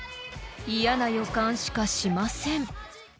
［嫌な予感しかしません］